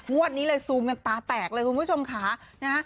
นี้เลยซูมกันตาแตกเลยคุณผู้ชมค่ะนะฮะ